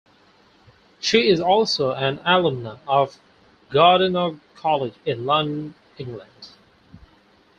She is also an alumna of Goodenough College in London, England.